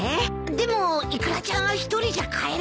でもイクラちゃんは１人じゃ帰れないし。